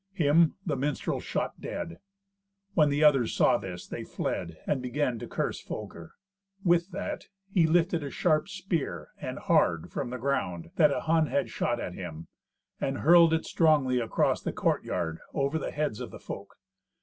Him the minstrel shot dead. When the others saw this, they fled, and began to curse Folker. With that, he lifted a sharp spear and hard from the ground, that a Hun had shot at him, and hurled it strongly across the courtyard, over the heads of the folk.